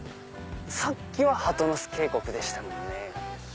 さっきは鳩ノ巣渓谷でしたもんね。